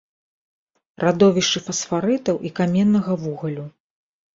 Радовішчы фасфарытаў і каменнага вугалю.